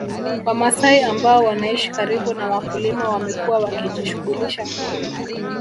Wamasai ambao wanaishi karibu na wakulima wamekuwa wakijishughulisha